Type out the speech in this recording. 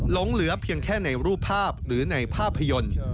หลงเหลือเพียงแค่ในรูปภาพหรือในภาพยนตร์